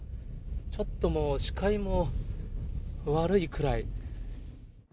ちょっともう、視界も悪いくらい。